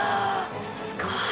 すごい。